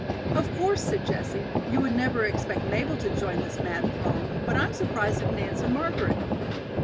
"Of course," said Jessie, "you would never expect Mabel to join this mad throng, but I'm surprised at Nance and Margaret."